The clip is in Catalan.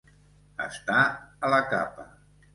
Estar a la capa.